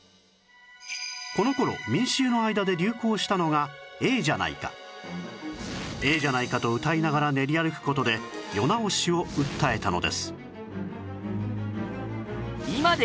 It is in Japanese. この頃民衆の間で流行したのが「ええじゃないか」と歌いながら練り歩く事で世直しを訴えたのです